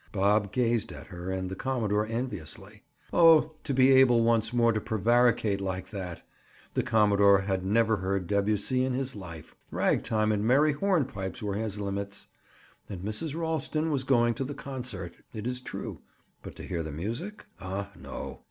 Bob gazed at her and the commodore enviously. Oh, to be able once more to prevaricate like that! The commodore had never heard Dubussy in his life. Ragtime and merry hornpipes were his limits. And Mrs. Ralston was going to the concert, it is true, but to hear the music? Ah, no!